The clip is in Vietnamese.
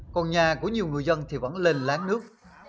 còn nhà của nhiều người dân thì vẫn lên lán nước